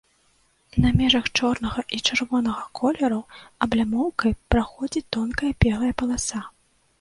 На межах чорнага і чырвонага колераў аблямоўкай праходзіць тонкая белая паласа.